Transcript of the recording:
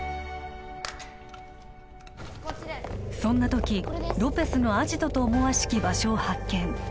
そんな時ロペスのアジトと思わしき場所を発見